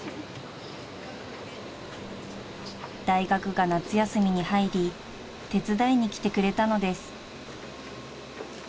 ［大学が夏休みに入り手伝いに来てくれたのです］